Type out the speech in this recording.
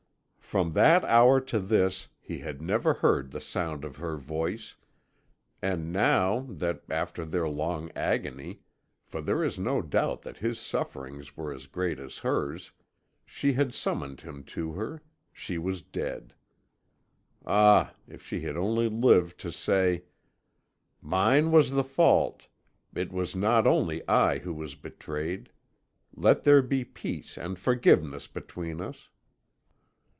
"From that hour to this he had never heard the sound of her voice, and now that, after their long agony for there is no doubt that his sufferings were as great as hers she had summoned him to her, she was dead! Ah, if she had only lived to say: "'Mine was the fault; it was not only I who was betrayed; let there be peace and forgiveness between us!'